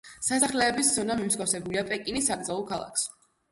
სასახლეების ზონა მიმსგავსებულია პეკინის აკრძალულ ქალაქს.